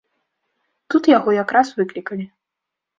Тут яго якраз выклікалі.